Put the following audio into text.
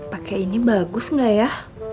pakai ini bagus nggak ya